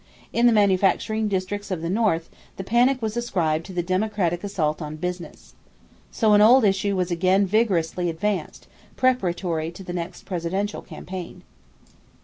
In the manufacturing districts of the North, the panic was ascribed to the "Democratic assault on business." So an old issue was again vigorously advanced, preparatory to the next presidential campaign.